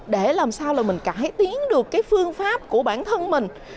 để làm sao mình cải tiến được phương pháp của bản thân mình